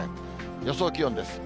予想気温です。